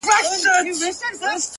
ولاكه مو په كار ده دا بې ننگه ككرۍ؛